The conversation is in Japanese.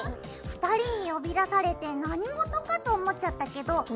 ２人に呼び出されて何事かと思っちゃったけど。